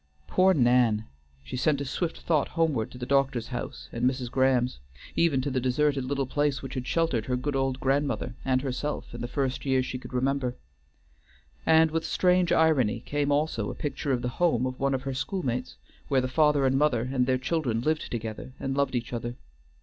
Poor Nan! she sent a swift thought homeward to the doctor's house and Mrs. Graham's; even to the deserted little place which had sheltered her good old grandmother and herself in the first years she could remember. And with strange irony came also a picture of the home of one of her schoolmates, where the father and mother and their children lived together and loved each other.